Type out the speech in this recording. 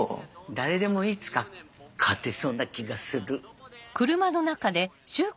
誰でもいつか勝てそうな気がする。